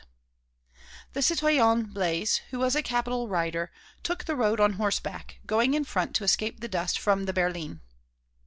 The citoyen Blaise, who was a capital rider, took the road on horseback, going on in front to escape the dust from the berline.